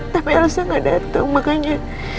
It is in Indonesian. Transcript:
tapi elsa gak datang makanya